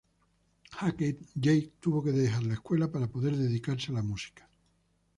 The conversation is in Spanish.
Jake tuvo que dejar la escuela para poder dedicarse a la música.